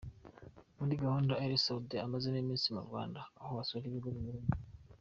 muri gahunda Ally Soudi amazemo iminsi mu Rwanda aho asura ibigo binyuranye